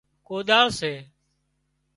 ڪوۮاۯ سي